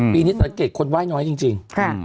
ปีนี้สังเกตคนไห้น้อยจริง